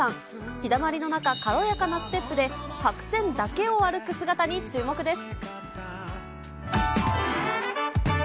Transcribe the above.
日だまりの中、軽やかなステップで、白線だけを歩く姿に注目です。